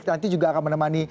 nanti juga akan menemani